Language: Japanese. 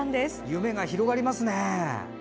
夢が広がりますね。